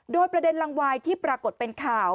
โดยประเด็นลังวายที่ปรากฏเป็นข่าว